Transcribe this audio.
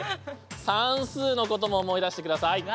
算数のことも思い出してください。